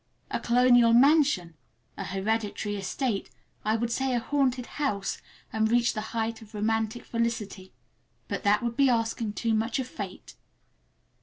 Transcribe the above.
A colonial mansion, a hereditary estate, I would say a haunted house, and reach the height of romantic felicity—but that would be asking too much of fate!